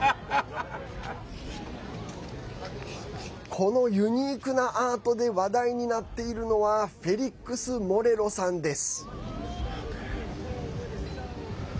このユニークなアートで話題になっているのはフェリックス・モレロさんです。